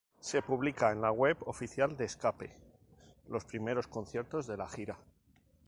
Se publica en la web oficial de Ska-p los primeros conciertos de la gira.